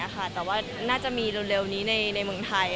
แต่ว่าน่าจะมีเร็วนี้ในเมืองไทย